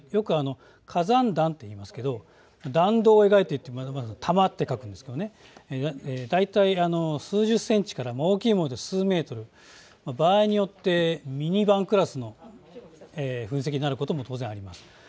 よく火山弾と言いますけど弾道を描いて、弾って書くんですけど大体数十センチから、大きいもので数メートル、場合によってミニバンクラスの噴石になることも当然あります。